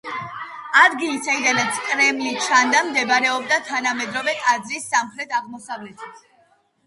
ადგილი საიდანაც კრემლი ჩანდა მდებარეობდა თანამედროვე ტაძრის სამხრეთ-აღმოსავლეთით.